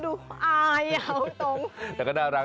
อยากจะบอกว่า